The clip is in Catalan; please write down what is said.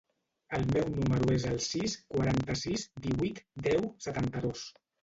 El meu número es el sis, quaranta-sis, divuit, deu, setanta-dos.